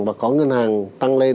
và có ngân hàng tăng lên